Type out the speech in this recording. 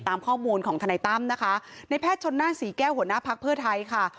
ตามข้อมูลของทนายตั้มนะคะในแพทย์ชนนั่นศรีแก้วหัวหน้าภักดิ์เพื่อไทยค่ะ